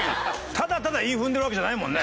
ただただ韻踏んでるわけじゃないもんね。